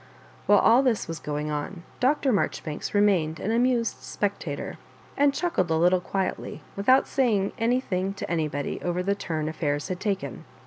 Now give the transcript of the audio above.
While all this was going on, Dr. Marjoribanks remained an amused spectator, and chuckled a little quietly, without saying anythmg to any body, over the turn affairs had taken.